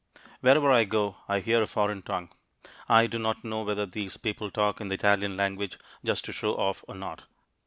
Wherever I go, I hear a foreign tongue. I do not know whether these people talk in the Italian language just to show off or not.